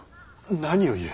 何を言う。